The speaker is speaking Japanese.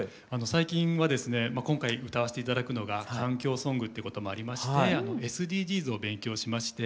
最近はですね今回歌わして頂くのが環境ソングっていうこともありましてＳＤＧｓを勉強しまして。